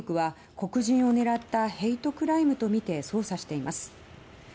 捜査当局は黒人を狙ったヘイトクライムとみて捜査しています。